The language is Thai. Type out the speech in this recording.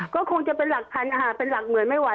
ก็คงจะเป็นหลักพันเป็นหลักหมื่นไม่ไหว